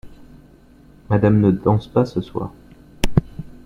Madame ne danse pas ce soir.